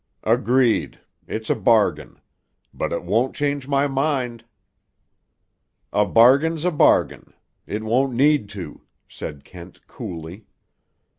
"Agreed. It's a bargain. But it won't change my mind." "A bargain's a bargain. It won't need to," said Kent coolly.